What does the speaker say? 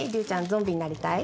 ゾンビになりたい？